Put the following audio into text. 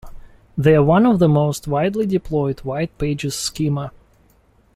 They are one of the most widely deployed white pages schema.